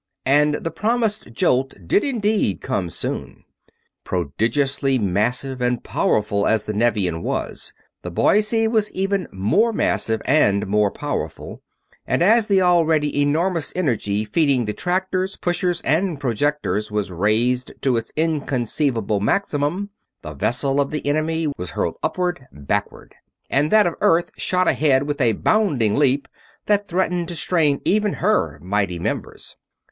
And the promised jolt did indeed come soon. Prodigiously massive and powerful as the Nevian was, the Boise was even more massive and more powerful; and as the already enormous energy feeding the tractors, pushers, and projectors was raised to its inconceivable maximum, the vessel of the enemy was hurled upward, backward; and that of Earth shot ahead with a bounding leap that threatened to strain even her mighty members.